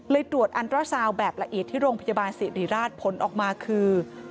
ตรวจอันตราซาวแบบละเอียดที่โรงพยาบาลสิริราชผลออกมาคือ